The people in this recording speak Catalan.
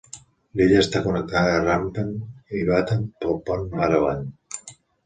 L'illa està connectada a Rempang i Batam pel pont Barelang.